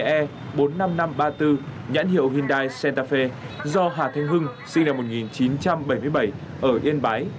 ba mươi e bốn mươi năm nghìn năm trăm ba mươi bốn nhãn hiệu hyundai santa fe do hà thanh hưng sinh năm một nghìn chín trăm bảy mươi bảy ở yên bái